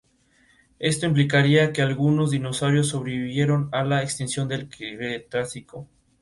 Esto implicaría que algunos dinosaurios sobrevivieron a la extinción del Cretácico.